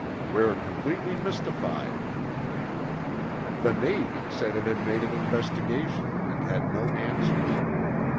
"We're completely mystified." The Navy said it had made an investigation, and had no answers.